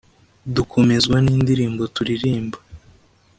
dukomezwa n indirimbo turirimba